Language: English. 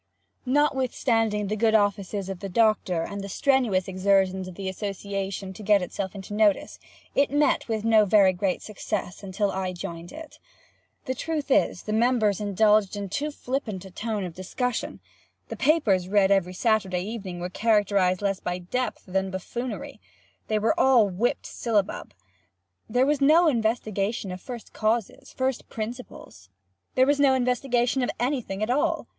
Notwithstanding the good offices of the Doctor, and the strenuous exertions of the association to get itself into notice, it met with no very great success until I joined it. The truth is, the members indulged in too flippant a tone of discussion. The papers read every Saturday evening were characterized less by depth than buffoonery. They were all whipped syllabub. There was no investigation of first causes, first principles. There was no investigation of any thing at all.